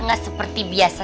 gak seperti biasa